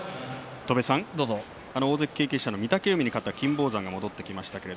大関経験者、御嶽海に勝った金峰山が戻ってきました。